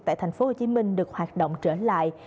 tại thành phố hồ chí minh được hoạt động trở lại